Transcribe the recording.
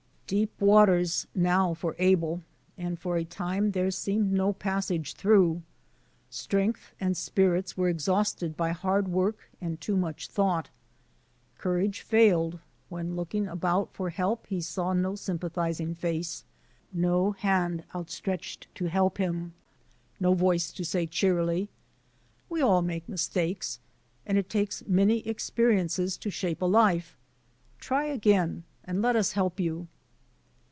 Deep waters now for Abel, and for a time there seemed no pass£^e through. Strength and spirits were exhausted by hard work and too much thought. Courage failed when, looking about for help, he saw no sympathizing face, no hand out stretched to help him, no voice to say cheerily, ''We all make mistakes, and it takes many experiences to shape a life. Try again, and let us help you."